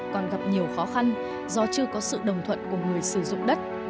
còn gặp nhiều khó khăn do chưa có sự đồng thuận của người sử dụng đất